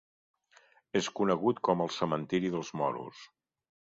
És conegut com el del Cementiri dels Moros.